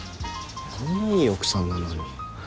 あんないい奥さんなのに。